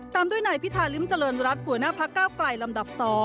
ตามด้วยนายพิธาริมเจริญรัฐหัวหน้าพักเก้าไกลลำดับ๒